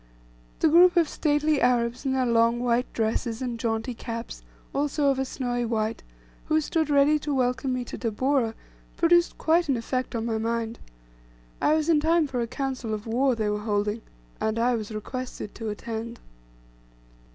The group of stately Arabs in their long white dresses, and jaunty caps, also of a snowy white, who stood ready to welcome me to Tabora, produced quite an effect on my mind. I was in time for a council of war they were holding and I was requested to attend.